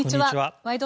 「ワイド！